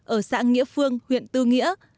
ở xã nghĩa phương huyện tư nghĩa